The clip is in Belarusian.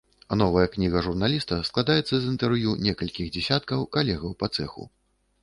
Новая кніга журналіста складаецца з інтэрв'ю некалькіх дзесяткаў калегаў па цэху.